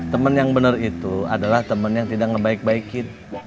temen yang bener itu adalah temen yang tidak ngebaik baikin